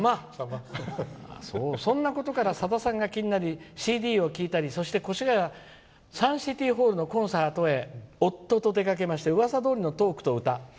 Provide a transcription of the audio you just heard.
そんなことからさださんが気になりＣＤを聴いたり越谷サンシティーホールのコンサートへ夫と出かけましてうわさどおりのトークと歌。